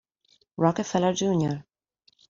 Rockefeller Jr.